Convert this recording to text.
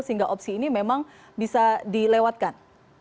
sehingga opsi ini memang bisa dilewatkan